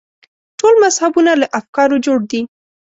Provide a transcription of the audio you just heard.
ټول مذهبونه له افکارو جوړ دي.